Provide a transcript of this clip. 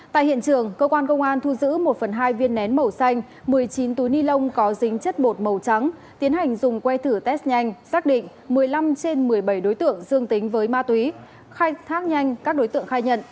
tại hiện trường cơ quan công an thu giữ một phần hai viên nén màu xanh một mươi chín túi ni lông có dính chất bột màu trắng tiến hành dùng que thử test nhanh xác định một mươi năm trên một mươi bảy đối tượng dương tính với ma túy khai thác nhanh các đối tượng khai nhận